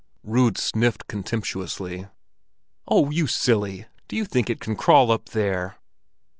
Rud sniffed contemptuously. "Oh, you silly! Do you think it can crawl up there?"